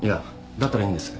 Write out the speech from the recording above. だったらいいんです。